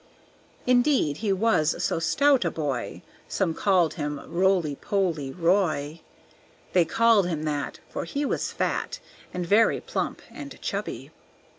Indeed, he was so stout a boy, Some called him Roly Poly Roy; They called him that For he was fat And very plump and chubby.